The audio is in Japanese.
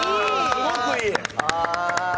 すごくいい！